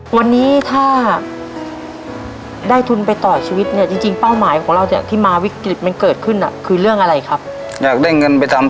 วันนี้ถ้าได้ทุนไปต่อชีวิตเนี่ยจริงจริงเป้าหมายของเราเนี่ยที่มาวิกฤตมันเกิดขึ้นอ่ะคือเรื่องอะไรครับอยากได้เงินไปทำ